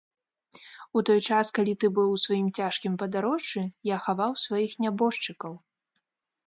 У той час, калі ты быў у сваім цяжкім падарожжы, я хаваў сваіх нябожчыкаў.